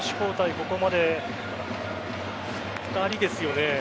ここまで２人ですよね。